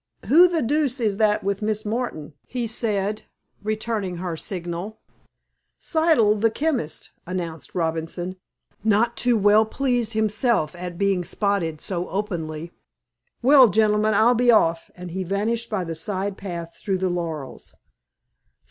"Who the deuce is that with Miss Martin?" he said, returning her signal. "Siddle, the chemist," announced Robinson, not too well pleased himself at being "spotted" so openly. "Well, gentlemen, I'll be off," and he vanished by the side path through the laurels.